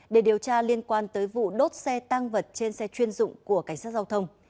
để điều tra liên quan tới vụ đốt xe tăng vật trên xe chuyên dụng của cảnh sát giao thông